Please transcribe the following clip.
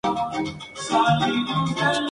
Todos gritan asustados e intentan escapar.